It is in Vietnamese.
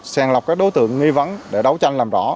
sàng lọc các đối tượng nghi vấn để đấu tranh làm rõ